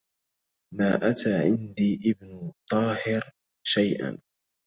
ما أتى عندي ابن طاهر شيئا